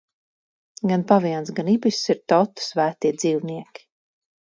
Gan paviāns, gan ibiss ir Tota svētie dzīvnieki.